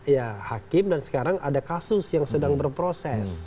ya hakim dan sekarang ada kasus yang sedang berproses